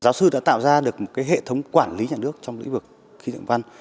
giáo sư đã tạo ra được một hệ thống quản lý nhà nước trong lĩnh vực khí tượng văn